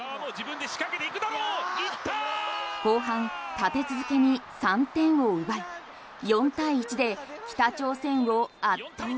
後半立て続けに３点を奪い４対１で北朝鮮を圧倒。